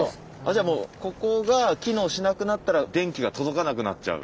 じゃあもうここが機能しなくなったら電気が届かなくなっちゃう？